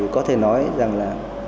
có thể nói rằng là